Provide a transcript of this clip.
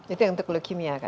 itu yang untuk leukemia kan